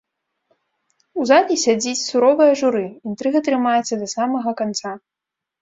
У залі сядзіць суровае журы, інтрыга трымаецца да самага канца.